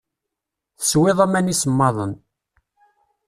Teswiḍ aman isemmaḍen.